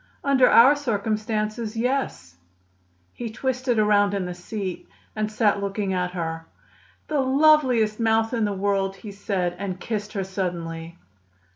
"Under our circumstances, yes." He twisted himself around in the seat and sat looking at her. "The loveliest mouth in the world!" he said, and kissed her suddenly.